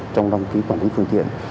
trong đăng ký quản lý phương tiện